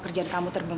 udah kamu gak bau